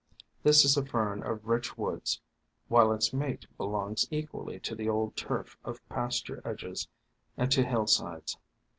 This is a Fern of rich woods, while its mate belongs equally to the old turf of pasture edges and to hillsides.